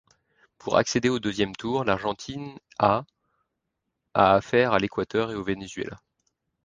Pour accéder au deuxième tour, l’Argentine a à affaire à l’Équateur et au Venezuela.